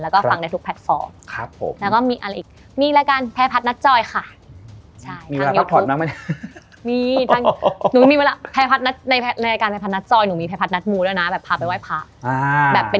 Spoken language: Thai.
ครับผมแล้วก็มีอะไรอีกมีอีกรายการแพรพัฒนัตรจอยค่ะ